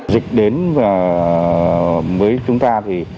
dịch đến với chúng ta